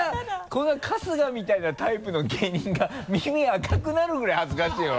こんな春日みたいなタイプの芸人が耳赤くなるぐらい恥ずかしいよ